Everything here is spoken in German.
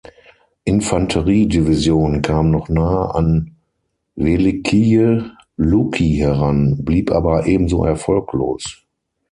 Infanterie-Division kamen noch nahe an Welikije Luki heran, blieb aber ebenso erfolglos.